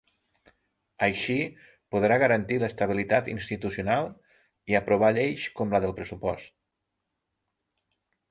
Així podrà garantir l’estabilitat institucional i aprovar lleis com la del pressupost.